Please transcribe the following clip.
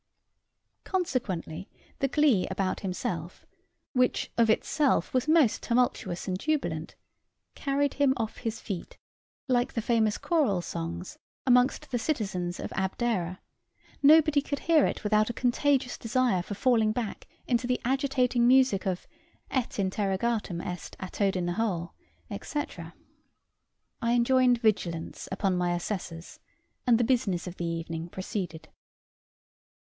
Consequently, the glee about himself, which of itself was most tumultuous and jubilant, carried him off his feet. Like the famous choral songs amongst the citizens of Abdera, nobody could hear it without a contagious desire for falling back into the agitating music of "Et interrogatum est à Toad in the hole," &c. I enjoined vigilance upon my assessors, and the business of the evening proceeded.